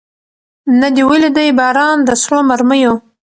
نه دي ولیدی باران د سرو مرمیو